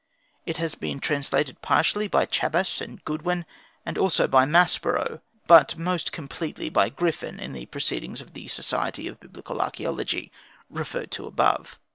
It has been translated partially by Chabas and Goodwin, and also by Maspero, but most completely by Griffith in the Proceedings of the Society of Biblical Archaeology, referred to above.